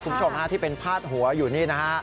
คุณผู้ชมฮะที่เป็นพาดหัวอยู่นี่นะฮะ